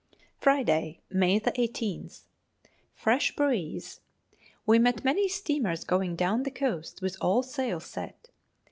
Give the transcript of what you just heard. Friday, May 18th. Fresh breeze. We met many steamers going down the coast with all sail set.